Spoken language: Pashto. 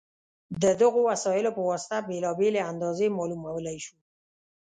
د دغو وسایلو په واسطه بېلابېلې اندازې معلومولی شو.